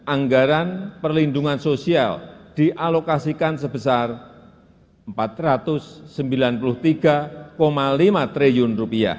anggaran perlindungan sosial dialokasikan sebesar rp empat ratus sembilan puluh tiga lima triliun